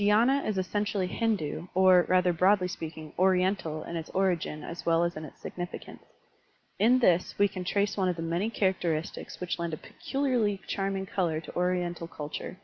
Dhydna is essentially Hindu or, rather broadly speaking. Oriental in its origin as well as in its significance. In this we can trace one of the many characteristics which lend a peculiarly charming color to Oriental culture.